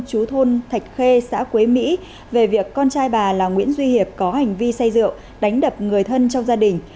chú thôn thạch khê xã quế mỹ về việc con trai bà là nguyễn duy hiệp có hành vi say rượu đánh đập người thân trong gia đình